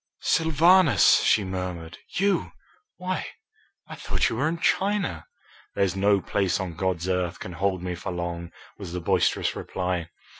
"Sylvanus!" she murmured. "You! Why, I thought you were in China." "There's no place on God's earth can hold me for long," was the boisterous reply.